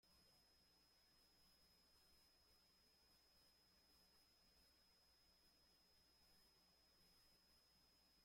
La primera cancha se llamó Lancaster Park que era el nombre del propietario anterior.